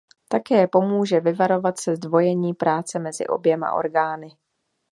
Také pomůže vyvarovat se zdvojení práce mezi oběma orgány.